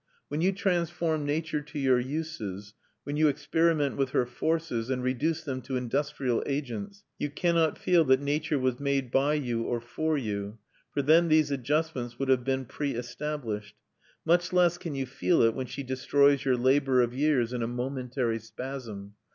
When you transform nature to your uses, when you experiment with her forces, and reduce them to industrial agents, you cannot feel that nature was made by you or for you, for then these adjustments would have been pre established. Much less can you feel it when she destroys your labour of years in a momentary spasm.